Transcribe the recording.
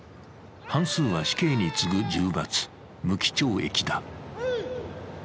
半数は死刑に次ぐ重罰無期懲役だ。